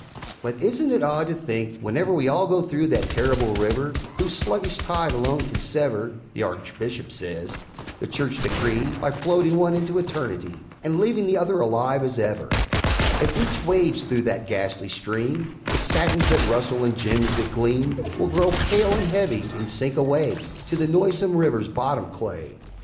But isn't it odd to think, whenever We all go through that terrible River Whose sluggish tide alone can sever (The Archbishop says) the Church decree, By floating one into Eternity And leaving the other alive as ever As each wades through that ghastly stream, The satins that rustle and gems that gleam, Will grow pale and heavy, and sink away To the noisome River's bottom clay!